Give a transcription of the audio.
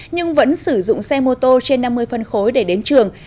nhưng vẫn sử dụng xe mô tô trên năm mươi phân khối để đến trường